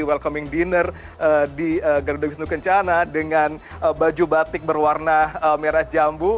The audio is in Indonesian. welcoming dinner di gardu wisnu kencana dengan baju batik berwarna merah jambu